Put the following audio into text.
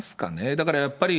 だからやっぱり、